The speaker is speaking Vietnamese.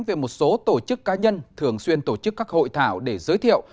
về một số tổ chức cá nhân thường xuyên tổ chức các hội thảo để giới thiệu